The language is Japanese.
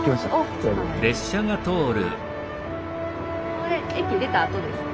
これ駅出たあとですか？